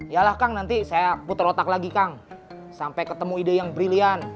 yalah kang nanti saya muter otak lagi kang sampai ketemu ide yang brilian